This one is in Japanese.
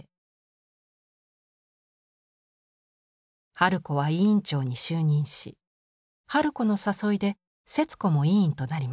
春子は委員長に就任し春子の誘いで節子も委員となりました。